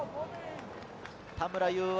田村優は。